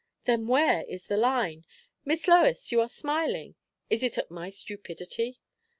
"Then where is the line? Miss Lois, you are smiling. Is it at my stupidity?"